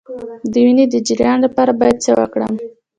د وینې د جریان لپاره باید څه وکړم؟